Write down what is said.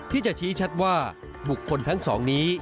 ที่จะชี้ชัดว่าบุคคลทั้งสองนี้